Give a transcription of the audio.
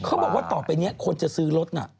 เขาบอกว่าต่อไปนี้คนจะซื้อรถน่ะ